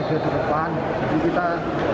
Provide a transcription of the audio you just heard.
pas kebenaran saya dari olahraga